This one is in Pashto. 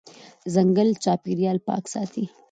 ځنګل چاپېریال پاک ساتي.